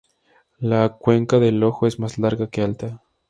La cuenca del ojo es más larga que alta.